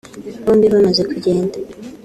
Bombi bamaze kugenda